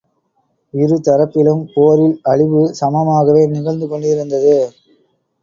இருதரப்பிலும் போரில் அழிவு சமமாகவே நிகழ்ந்து கொண்டிருந்தது.